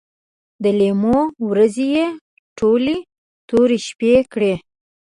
د لیمو ورځې یې ټولې تورې شپې کړې